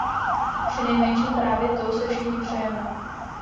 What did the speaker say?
Přinejmenším právě to si všichni přejeme.